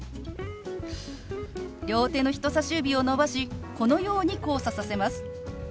両手の人さし指を伸ばしこのように交差させます。